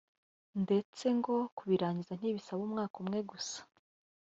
ndetse ngo kubirangiza ntibisaba umwaka umwe gusa